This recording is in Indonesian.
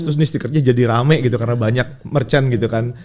terus nih stikernya jadi rame gitu karena banyak merchant gitu kan